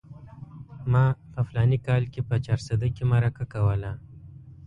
ما په فلاني کال کې په چارسده کې مرکه کوله.